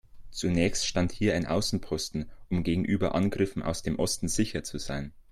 Zunächst stand hier ein Außenposten, um gegenüber Angriffen aus dem Osten sicher zu sein.